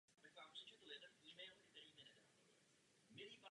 Právě tam také vyhynuli nejdříve.